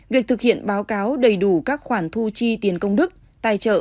việc thực hiện báo cáo đầy đủ các khoản thu chi tiền công đức tài trợ